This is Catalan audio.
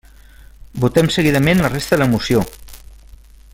Votem seguidament la resta de la moció.